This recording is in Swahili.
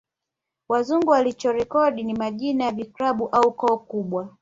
Wazungu walichorekodi ni majina ya vikabila au koo kubwa